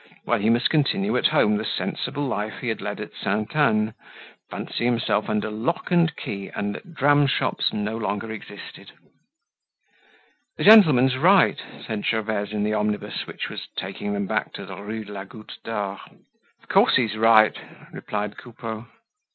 Well, he must continue at home the sensible life he had led at Sainte Anne, fancy himself under lock and key and that dram shops no longer existed. "The gentleman's right," said Gervaise in the omnibus which was taking them back to the Rue de la Goutte d'Or. "Of course he's right," replied Coupeau.